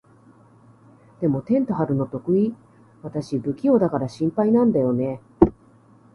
でも、テント張るの得意？私、不器用だから心配なんだよね。